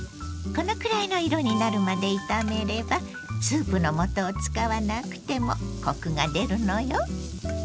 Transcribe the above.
このくらいの色になるまで炒めればスープのもとを使わなくてもコクが出るのよ。